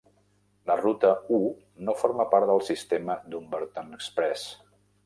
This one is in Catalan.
La Ruta U no forma part del sistema Dumbarton Express.